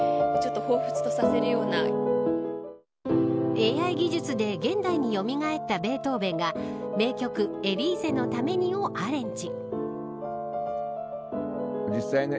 ＡＩ技術で現代によみがえったベートーベンが名曲エリーゼのためにをアレンジ。